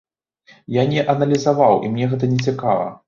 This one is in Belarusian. Я не аналізаваў, і мне гэта нецікава.